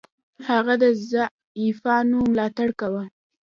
هغه د ضعیفانو ملاتړ کاوه.